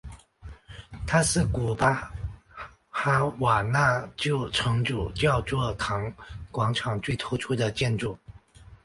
它是古巴哈瓦那旧城主教座堂广场最突出的建筑。